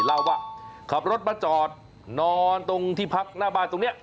เล่าว่าขับรถมาจอดนอนตรงที่พักหน้าบ้านตรงนี้